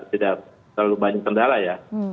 tidak terlalu banyak kendala ya